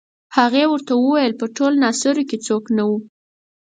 هغې ورته وویل په ټول ناصرو کې څوک نه وو.